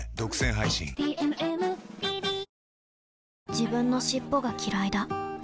自分の尻尾がきらいだ